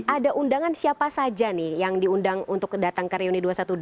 ada undangan siapa saja nih yang diundang untuk datang ke reuni dua ratus dua belas